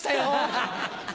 ハハハ。